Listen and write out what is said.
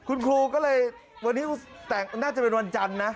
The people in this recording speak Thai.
คุณครูก็เลยวันนี้แต่งน่าจะเป็นวันจันทร์นะ